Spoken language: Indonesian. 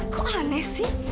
kok aneh sih